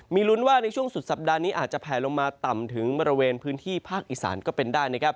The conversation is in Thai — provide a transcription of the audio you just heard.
มีลุ้นว่าในช่วงสุดสัปดาห์นี้อาจจะแผลลงมาต่ำถึงบริเวณพื้นที่ภาคอีสานก็เป็นได้นะครับ